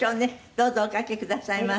どうぞおかけくださいませ。